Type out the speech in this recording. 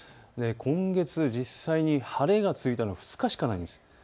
今月、実際に晴れがついたのは２日しかないんです。